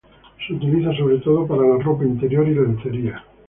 Se utiliza sobre todo para ropa interior y lencería.